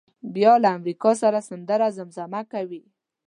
بیا له امریکا سره سندره زمزمه کوي.